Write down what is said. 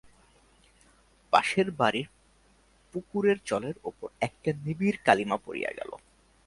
পাশের বাড়ির পুকুরের জলের উপর একটা নিবিড় কালিমা পড়িয়া গেল।